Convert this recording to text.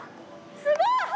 すごい！